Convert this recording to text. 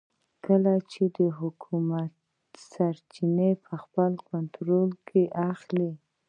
کله چې حکومت سرچینې په خپل کنټرول کې اخلي.